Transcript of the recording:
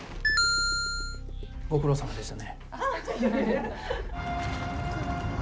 ご苦労さまでしたね。